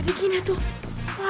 dia kan cantik